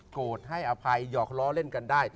โกรธให้อภัยเยานะเล่นได้